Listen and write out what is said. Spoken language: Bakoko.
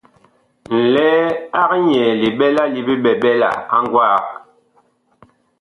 Nlɛɛ ag nyɛɛ liɓɛla li biɓɛɓɛla a gwaag.